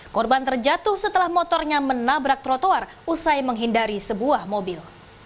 korban terjatuh setelah motornya menabrak trotoar usai menghindari sebuah mobil